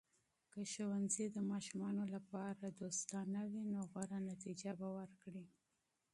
که ښوونځي د ماشومانو لپاره دوستانه وي، نو غوره نتیجه به ورکړي.